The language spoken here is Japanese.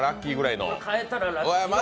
買えたらラッキー。